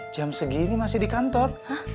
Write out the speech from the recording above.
jam segini masih di kantor